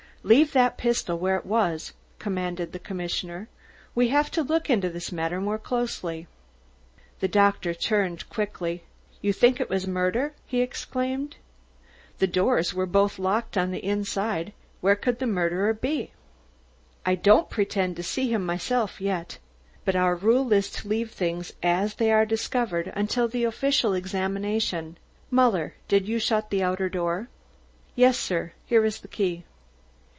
"Leave that pistol where it was," commanded the commissioner. "We have to look into this matter more closely." The doctor turned quickly. "You think it was a murder?" he exclaimed. "The doors were both locked on the inside where could the murderer be?" "I don't pretend to see him myself yet. But our rule is to leave things as they are discovered, until the official examination. Muller, did you shut the outer door?" "Yes, sir; here is the key."